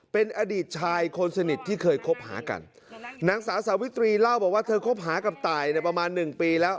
เป็นอดีตชายคนสนิทที่เคยคบหากันนางสาวสาวิตรีเล่าบอกว่าเธอคบหากับตายเนี่ยประมาณหนึ่งปีแล้ว